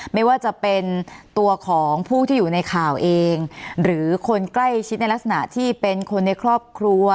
ไม่ว่าจะเป็นตัวของผู้ที่อยู่ในข่าวเองหรือคนใกล้ชิดในลักษณะที่เป็นคนในครอบครัว